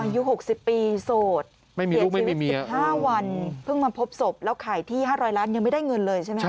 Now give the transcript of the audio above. อายุ๖๐ปีโสดเสียชีวิต๑๕วันเพิ่งมาพบศพแล้วขายที่๕๐๐ล้านยังไม่ได้เงินเลยใช่ไหมครับ